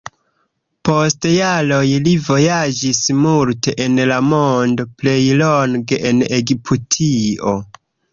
Post jaroj li vojaĝis multe en la mondo, plej longe en Egiptio.